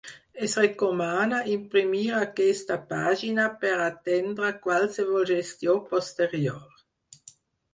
Es recomana imprimir aquesta pàgina per atendre qualsevol gestió posterior.